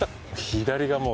左がもう。